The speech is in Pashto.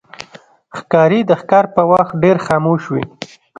ښکاري د ښکار پر وخت ډېر خاموش وي.